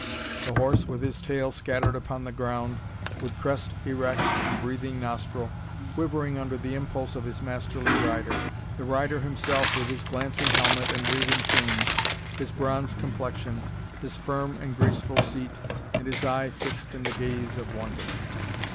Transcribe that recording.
The horse with his tail scattered upon the ground, with crest erect and breathing nostril, quivering under the impulse of his masterly rider; the rider himself, with his glancing helmet and waving plumes, his bronze complexion, his firm and graceful seat, and his eye fixed in the gaze of wonder.